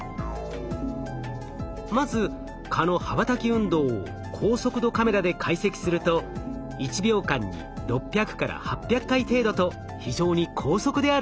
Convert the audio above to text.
まず蚊の羽ばたき運動を高速度カメラで解析すると１秒間に６００８００回程度と非常に高速であることが分かりました。